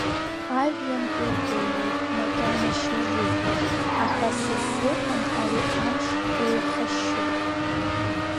Ажәҩан кеикеиуеит, макьана шьыжьуп, аха са сзыҳәан ари амш еихашьшьуп.